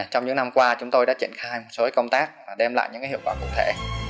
trong những năm qua chúng tôi đã triển khai một số công tác đem lại những hiệu quả cụ thể